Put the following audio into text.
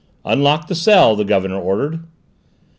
"Unlock the cell," the Governor ordered.